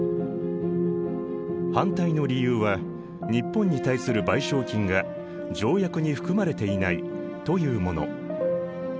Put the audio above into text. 反対の理由は日本に対する賠償金が条約に含まれていないというもの。